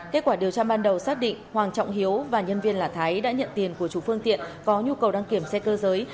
kết quả điều tra ban đầu xác định hoàng trọng hiếu và nhân viên là thái đã nhận tiền của chủ phương tiện có nhu cầu đăng kiểm xe cơ giới